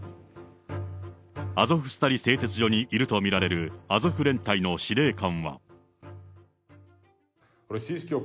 アゾフスタリ製鉄所にいると見られるアゾフ連隊の司令官は。